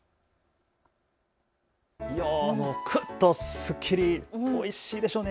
すっきり、おいしいでしょうね。